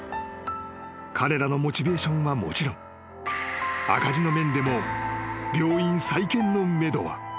［彼らのモチベーションはもちろん赤字の面でも病院再建のめどはまったく立っていなかったのだ］